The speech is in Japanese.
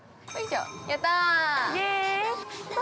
◆やったあ。